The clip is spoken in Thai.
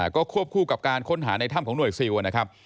ก็ควบคู่กับการค้นหาในถ้ำของหน่วยซิลนะครับ